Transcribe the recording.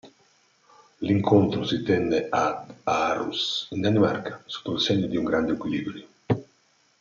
L'incontro si tenne ad Aarhus, in Danimarca, sotto il segno di un grande equilibrio.